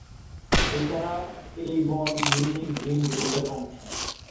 এছাড়া এই Bonn Munich green বেল্টের অংশ।